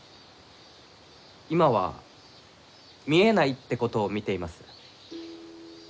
今は見えないってことを見ています。